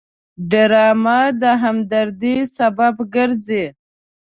ډرامه د همدردۍ سبب ګرځي